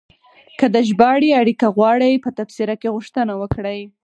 که د ژباړې اړیکه غواړئ، په تبصره کې غوښتنه وکړئ.